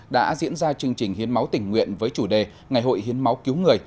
đã diễn ra chương trình hiến máu tình nguyện với chủ đề ngày hội hiến máu cứu người